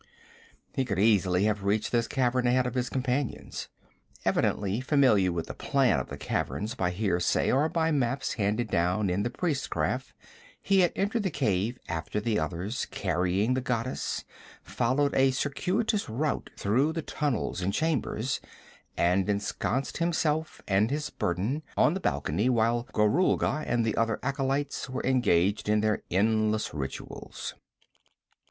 He could easily have reached this cavern ahead of his companions. Evidently familiar with the plan of the caverns by hearsay or by maps handed down in the priestcraft, he had entered the cave after the others, carrying the goddess, followed a circuitous route through the tunnels and chambers, and ensconced himself and his burden on the balcony while Gorulga and the other acolytes were engaged in their endless rituals.